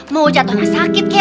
mau jatuh gak sakit kak